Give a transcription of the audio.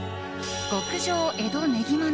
極上江戸ねぎま